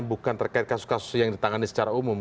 bukan terkait kasus kasus yang ditangani secara umum